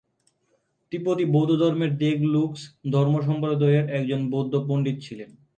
তিব্বতী বৌদ্ধধর্মের দ্গে-লুগ্স ধর্মসম্প্রদায়ের একজন বৌদ্ধ পণ্ডিত ছিলেন।